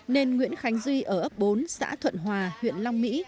nên nguyễn khánh duy ở ấp bốn xã thuận hòa huyện long mỹ